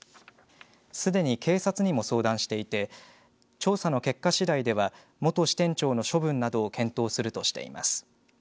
すでに警察にも相談していて調査の結果次第では元支店長の処分などを検討するとしています。